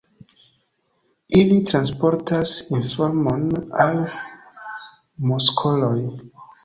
Ili transportas informon al muskoloj.